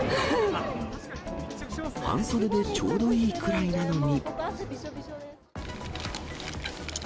半袖でちょうどいいくらいなのに。